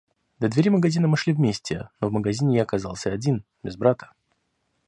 До дверей магазина мы шли вместе, но в магазине я оказался один, без брата.